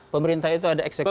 pemerintah itu ada eksekutif